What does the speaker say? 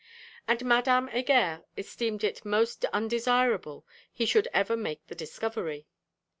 _And Madame Heger esteemed it most undesirable he should ever make the discovery.